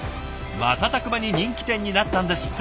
瞬く間に人気店になったんですって。